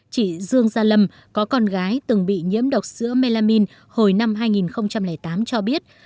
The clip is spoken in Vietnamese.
chị dương gia lâm có con gái từng bị nhiễm độc sữa melamin hồi năm hai nghìn tám cho biết